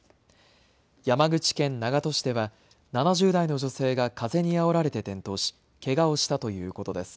山口県長門市では７０代の女性が風にあおられて転倒しけがをしたということです。